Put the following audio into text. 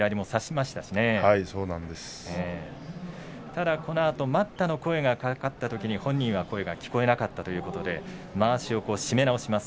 ただ待ったの声がかかったときに、本人は声が聞こえなかったということでまわしを締め直します。